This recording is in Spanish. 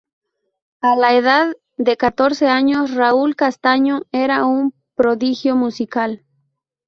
A la edad de catorce años, Raúl Castaño era un prodigio musical.